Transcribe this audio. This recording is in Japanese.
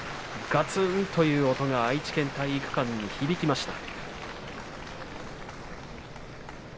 がつん、という音が愛知県体育館に響きました。